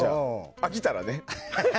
飽きたらね。